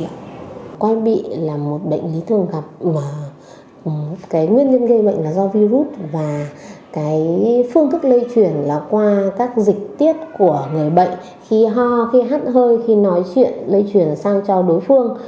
bệnh quay bị là một bệnh lý thường gặp mà nguyên nhân gây bệnh là do virus và phương tức lây truyền là qua các dịch tiết của người bệnh khi ho khi hắt hơi khi nói chuyện lây truyền sang cho đối phương